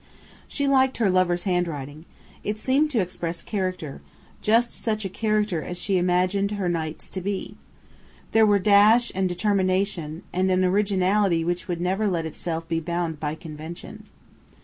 She liked her lover's handwriting. It seemed to express character just such character as she imagined her knight's to be. There were dash and determination, and an originality which would never let itself be bound by convention.